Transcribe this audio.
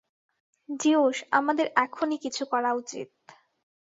Zeus, আমাদের এখনই কিছু করা উচিত।